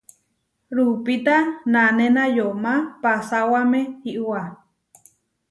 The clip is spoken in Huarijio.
Rupíta nanéna yomá pasawáme iʼwá.